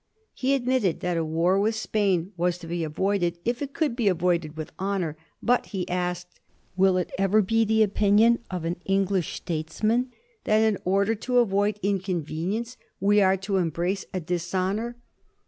He admitted that a war with Spain was to be avoided, if it could be avoided with honor; but, he asked, '' will it ever be the opinion of an English statesman that, in order to avoid inconvenience, we are to embrace a dishonor?